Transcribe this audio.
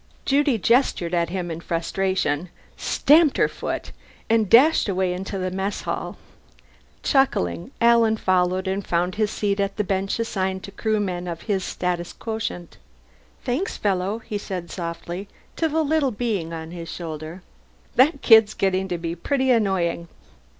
Judy gestured at him in frustration, stamped her foot, and dashed away into the mess hall. Chuckling, Alan followed and found his seat at the bench assigned to Crewmen of his status quotient. "Thanks, fellow," he said softly to the little being on his shoulder. "That's kid's getting to be pretty annoying."